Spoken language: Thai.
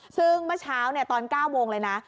ซึ่งเมื่อเช้าตอน๙โมงเลยนะ